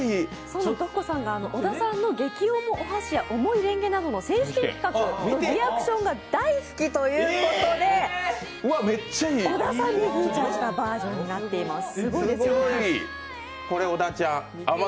ｄｏｃｃｏさんが小田さんの激重お箸や重いレンゲなどの選手権企画のリアクションが大好きということで小田さんにフィーチャーしたバージョンになっています。